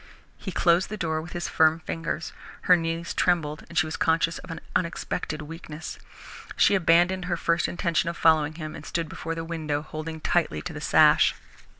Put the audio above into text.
He closed the door with firm fingers. Her knees trembled, she was conscious of an unexpected weakness. She abandoned her first intention of following him, and stood before the window, holding tightly to the sash.